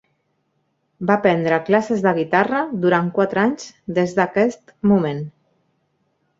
Va prendre classes de guitarra durant quatre anys des d'aquest moment.